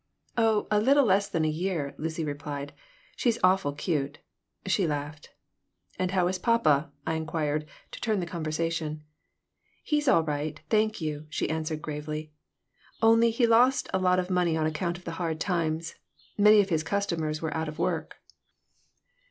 "Oh, a little less than a year," Lucy replied. "She's awful cute," she laughed "And how is papa?" I inquired, to turn the conversation "He's all right, thank you," she answered, gravely. "Only he lost a lot of money on account of the hard times. Many of his customers were out of work.